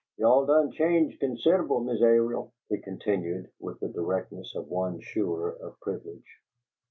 "Y'all done change consid'able, Miss Airil," he continued, with the directness of one sure of privilege.